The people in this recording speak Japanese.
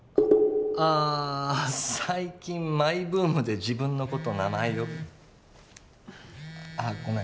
あっ最近マイブームで自分のこと名前呼びあっごめん